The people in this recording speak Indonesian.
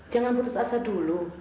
jangan putus asa dulu